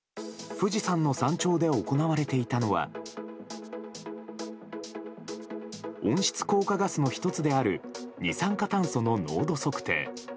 富士山の山頂で行われていたのは温室効果ガスの１つである二酸化炭素の濃度測定。